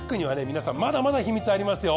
皆さんまだまだ秘密ありますよ。